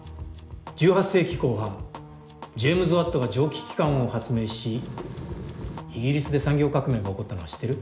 １８世紀後半ジェームズ・ワットが蒸気機関を発明しイギリスで産業革命が起こったのは知ってる？